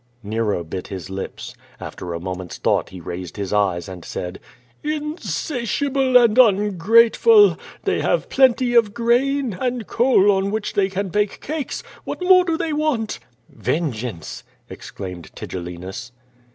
Nero bit his lips. After a moment's thought he raised his eyes and said: "Insatiable and ungrateful! They have plenty of grain, and coal on which they can bake cakes. What more do they want?" "Vengeance!" exclaimed Tigellinus.